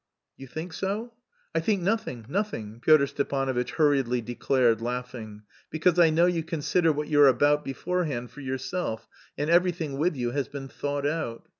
"You think so?" "I think nothing nothing," Pyotr Stepanovitch hurriedly declared, laughing, "because I know you consider what you're about beforehand for yourself, and everything with you has been thought out.